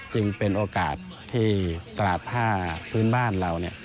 จึงเป็นโอกาสที่ตลาดผ้าพื้นบ้านเรา